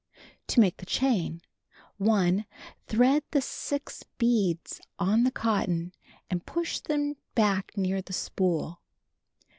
To Make the Chain : 1. Thread the 6 beads on the cotton and push them back near the spool.